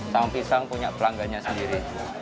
sang pisang punya pelanggannya sendiri